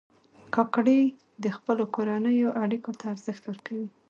کاکړي د خپلو کورنیو اړیکو ته ارزښت ورکوي.